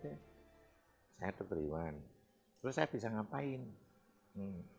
terus saya berpikir ini adalah satu satunya pasien yang saya inginkan untuk menangani obat ini